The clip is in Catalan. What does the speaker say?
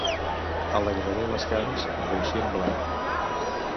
Alegraré les carns amb polsim blanc.